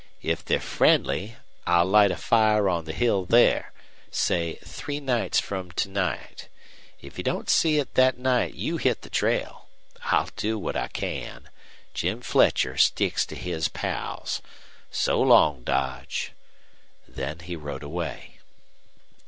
If they're friendly, I'll light a fire on the hill there, say three nights from to night. If you don't see it thet night you hit the trail. I'll do what I can. Jim Fletcher sticks to his pals. So long, Dodge." Then he rode away.